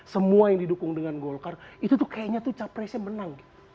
semua yang didukung dengan golkar itu tuh kayaknya tuh capresnya menang